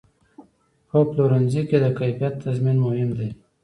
په پلورنځي کې د کیفیت تضمین مهم دی.